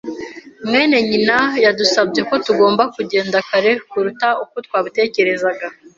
mwene nyina yadusabye ko tugomba kugenda kare kuruta uko twabitekerezaga.